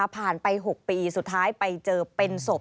ผ่านไป๖ปีสุดท้ายไปเจอเป็นศพ